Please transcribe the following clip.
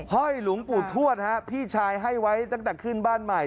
ห้อยหลวงปู่ทวดฮะพี่ชายให้ไว้ตั้งแต่ขึ้นบ้านใหม่